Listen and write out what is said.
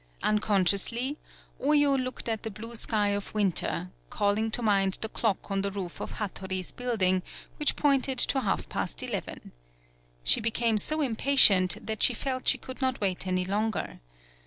Unconsciously, Oyo looked at the blue sky of winter, calling to mind the clock on the roof of Hattori's building, which pointed to half past eleven. She be came so impatient that she felt she could not wait any longer.